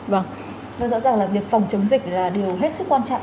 rõ ràng là việc phòng chống dịch là điều hết sức quan trọng